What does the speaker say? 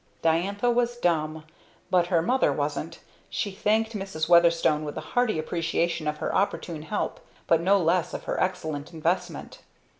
Diantha was dumb, but her mother wasn't. She thanked Mrs. Weatherstone with a hearty appreciation of her opportune help, but no less of her excellent investment.